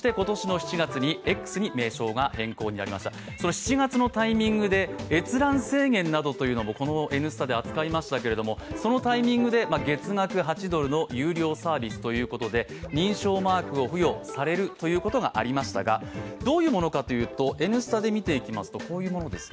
７月のタイミングで閲覧制限などというものもこの「Ｎスタ」で扱いましたけれども、そのタイミングで月額８ドルの有料サービスということで認証マークを付与されるということがありましたがどういうものかというと、「Ｎスタ」で見ていきますとこういうものです。